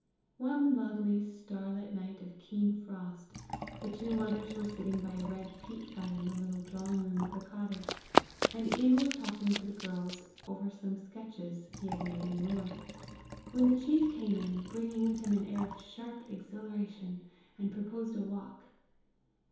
One lovely star lit night of keen frost, the two mothers were sitting by a red peat fire in the little drawing room of the cottage, and Ian was talking to the girls over some sketches he had made in the north, when the chief came in, bringing with him an air of sharp exhilaration, and proposed a walk.